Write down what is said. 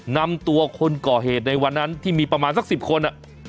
นำตัวคนก่อเหตุในวันนั้นที่มีประมาณสัก๑๐คน